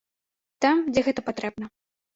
Там, дзе гэта патрэбна.